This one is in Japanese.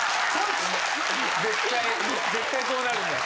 絶対そうなるんだよ。